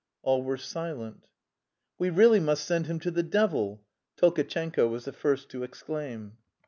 All were silent. "We really must send him to the devil!" Tolkatchenko was the first to exclaim.